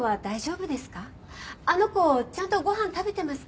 あの子ちゃんとご飯食べてますか？